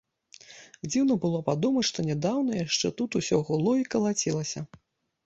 Дзіўна было падумаць, што нядаўна яшчэ тут усё гуло і калацілася.